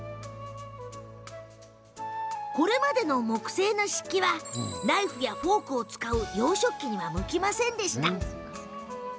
これまでの木製の漆器はナイフやフォークを使う洋食器には不向きだったんです。